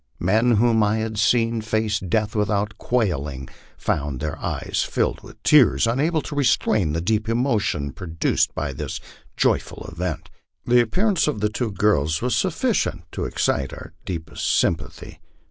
Men whom I have seen face death without quailing found their eyes fillet] witli tears, unable to restrain the deep emotion produced by this joyful event. The appearance of the two girls was sufficient to excite our deepest sympathy.